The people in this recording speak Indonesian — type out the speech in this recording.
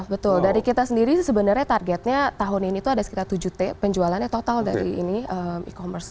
betul dari kita sendiri sebenarnya targetnya tahun ini tuh ada sekitar tujuh t penjualannya total dari ini e commerce